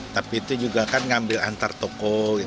tapi itu juga kan ngambil antar toko